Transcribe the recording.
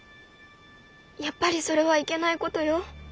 やっぱりそれはいけないことよ。